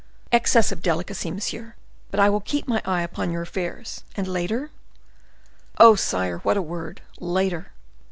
"Excess of delicacy, monsieur; but I will keep my eye upon your affairs, and later—" "Oh, sire! what a word!—later!